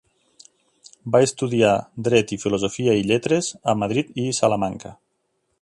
Va estudiar dret i filosofia i lletres a Madrid i Salamanca.